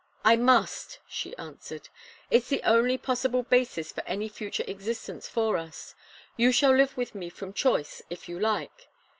"I must," she answered. "It's the only possible basis of any future existence for us. You shall live with me from choice, if you like.